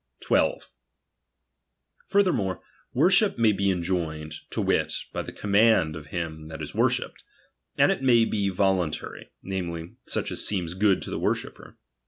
12. Furthermore, tt!orsA/p maybe enjoined, to wit, by the command of him that is worshipped, and it may be voluntmy, namely, such as seems good to the worshipper.